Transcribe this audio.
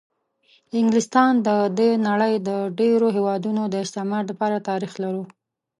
انګلستان د د نړۍ د ډېرو هېوادونو د استعمار دپاره تاریخ لري.